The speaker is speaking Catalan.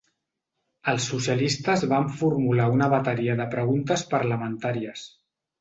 Els socialistes van formular una bateria de preguntes parlamentàries.